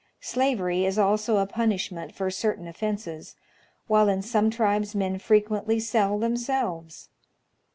Slavery is also a punishment for certain offences, while in some tribes men frequently sell themselves.